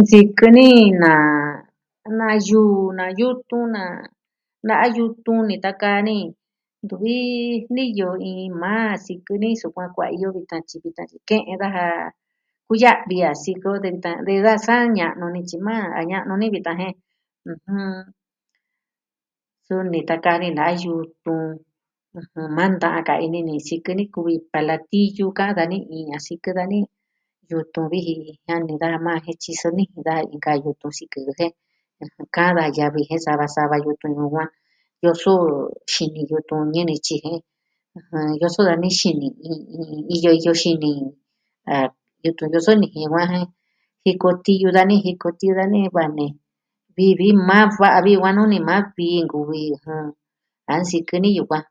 Nsikɨ ni na, na yuu, na yutun na na'a yutun nitakaa ni. Ntuvi niyo iin maa sikɨ ni sukuan kuaiyo vitan tyi ke'en daja kuya'vi a sikɨ de vitan... de da sa ña'nu ni tyi ma a ña'nu ni vitan jen ɨjiɨn suni, nitakaa ni na'a yutun ɨjɨn maa nta'an ka ini ni sikɨ ni kuvi palatiyu kaan dani iin a sikɨ dani yutun vi ji jiani daja majan jen tyiso nijin daja inka yutun sikɨ jɨ jen kaan da yavi sava sava yutun yukuan yoso xini yutun iñɨ nityi ɨjɨn yoso dani xini i... iyo yo xini ah yutun yoso nijin yukuan jen jiko tiyo dani, jiko tiyo dani va nee vii vii maa va'a vi yukuan nuu ni maa vii nkuvi ɨjɨn. A nsikɨ ni yukuan.